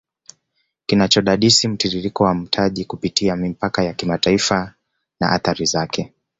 Kinachodadisi mtiririko wa mtaji kupitia mipaka ya kimataifa na athari zaKe